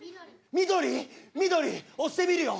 緑緑押してみるよ。